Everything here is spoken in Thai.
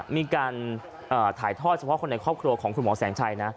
มีการถ่ายทอดเฉพาะคนในครอบครัวของคุณหมอแสงชัยนะ